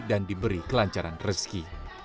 dan diberi kelancaran rezeki